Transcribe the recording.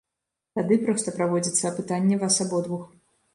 Тады проста праводзіцца апытанне вас абодвух.